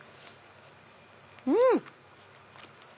うん！